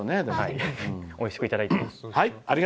おいしくいただいています。